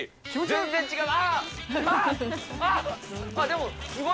全然違う。